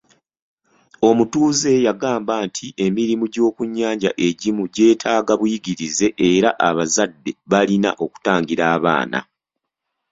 Omutuuze yagamba nti emirimu gy'okunnyanja egimu gyeetaaga buyigirize era abazadde balina okutangira abaana.